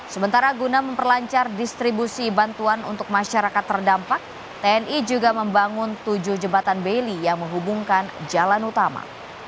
sementara guna memperlancar distribusi bantuan untuk masyarakat terdampak tni juga membangun tujuh jembatan baili yang menghubungkan jalan utama